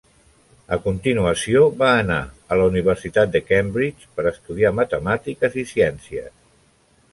A continuació va anar a la universitat de Cambridge per estudiar matemàtiques i ciències.